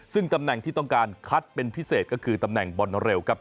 ซึ่งตำแหน่งที่ต้องการคัดเป็นพิเศษก็คือตำแหน่งบอลเร็วครับ